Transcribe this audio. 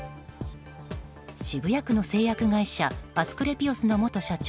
渋谷区の製薬会社アスクレピオスの元社長